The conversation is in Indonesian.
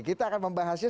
kita akan membahasnya